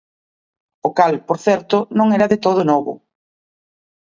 O cal, por certo, non era de todo novo.